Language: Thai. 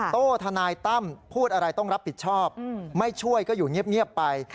โต้ทนายตั้มพูดอะไรต้องรับผิดชอบไม่ช่วยก็อยู่เงียบไป